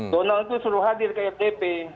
donald itu suruh hadir ke rtp